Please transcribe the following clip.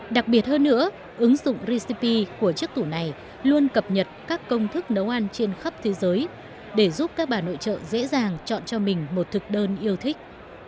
đặc biệt hơn nữa ứng dụng rcep của chiếc tủ này luôn cập nhật các công thức nấu ăn trên khắp thế giới để giúp các bà nội trợ dễ dàng chọn cho mình một thực đơn yêu thích